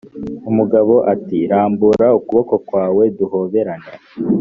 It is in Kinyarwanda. umugabo ati rambura ukuboko kwawe duhoberane